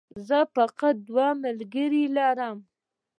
زه فقط دوه ملګري لرم